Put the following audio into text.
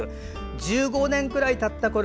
１５年ぐらいたったころ